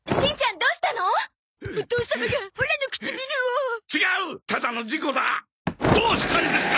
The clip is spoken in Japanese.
どうしたんですか！？